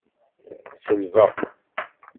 Selbeɣ.